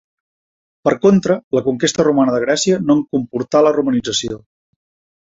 Per contra, la conquesta romana de Grècia no en comportà la romanització.